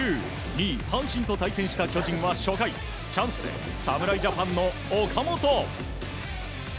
２位阪神と対戦した巨人はチャンスで侍ジャパンの岡本。